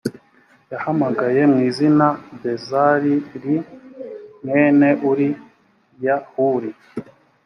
yahamagaye mu izina besal li mwene uri ya huri